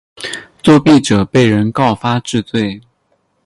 作弊者被人告发治罪。